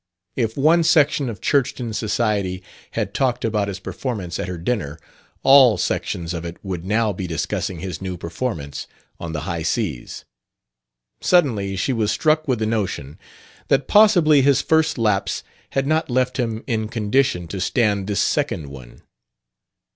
If one section of Churchton society had talked about his performance at her dinner, all sections of it would now be discussing his new performance on the high seas. Suddenly she was struck with the notion that possibly his first lapse had not left him in condition to stand this second one.